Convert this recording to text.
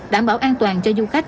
đảm bảo an toàn cho du khách